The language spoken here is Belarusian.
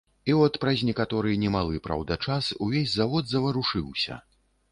І от праз некаторы, немалы, праўда, час увесь завод заварушыўся.